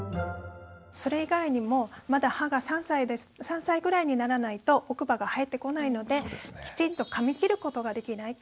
それ以外にもまだ歯が３歳ぐらいにならないと奥歯が生えてこないのできちんとかみ切ることができない。